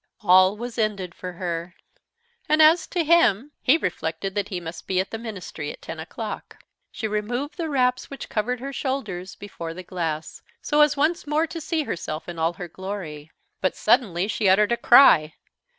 All was ended for her. And as to him, he reflected that he must be at the Ministry at ten o'clock. She removed the wraps, which covered her shoulders, before the glass, so as once more to see herself in all her glory. But suddenly she uttered a cry.